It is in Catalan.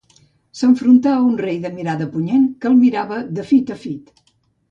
S'enfrontà a un rei de mirada punyent que el mirava de fit a fit.